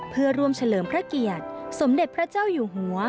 เพื่อร่วมเฉลิมพระเกียรติสมเด็จพระเจ้าอยู่หัว